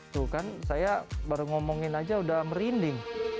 tuh kan saya baru ngomongin aja udah merinding